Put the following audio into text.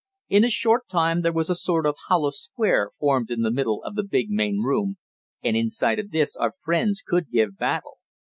In a short time there was a sort of hollow square formed in the middle of the big main room, and inside of this our friends could give battle.